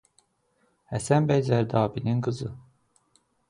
Həsən bəy Zərdabinin qızı.